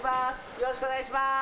よろしくお願いします。